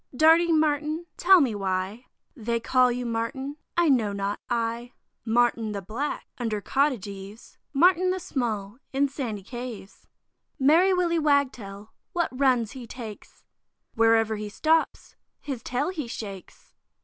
Darting Martin! tell me why They call you Martin, I know not, I; Martin the black, under cottage eaves, Martin the small, in sandy caves. Merry Willy Wagtail, what runs he takes! Wherever he stops, his tail he shakes.